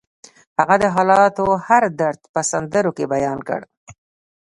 هغه د حالاتو هر درد په سندرو کې بیان کړ